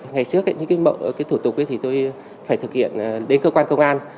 ngày trước những thủ tục thì tôi phải thực hiện đến cơ quan công an